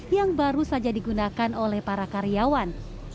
yang baru saja digunakan oleh para karyawan